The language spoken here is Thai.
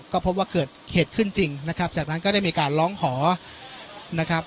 ก็พบว่าเกิดเหตุขึ้นจริงนะครับจากนั้นก็ได้มีการร้องขอนะครับ